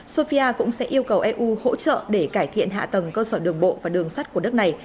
sofia cũng sẽ yêu cầu eu hỗ trợ để cải thiện hạ tầng cơ sở đường bộ và đường sắt của đất này